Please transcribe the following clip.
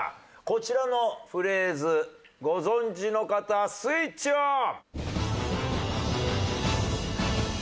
こちらのフレーズご存じの方スイッチオン！